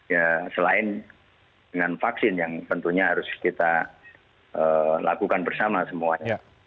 ya selain dengan vaksin yang tentunya harus kita lakukan bersama semuanya